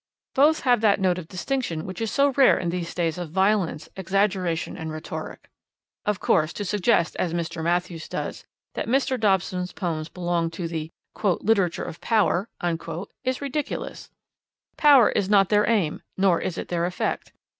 Both have that note of distinction that is so rare in these days of violence, exaggeration and rhetoric. Of course, to suggest, as Mr. Matthews does, that Mr. Dobson's poems belong to 'the literature of power' is ridiculous. Power is not their aim, nor is it their effect.